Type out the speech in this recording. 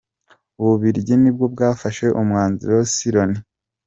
Ububiligi nibwo bwafashe umwanzuro si Loni.